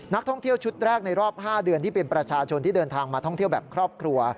นักท่องเที่ยวชุดแรกในรอบ๕เดือนที่เป็นประชาชนที่เดินทางมาท่องเที่ยวแบบครอบครัว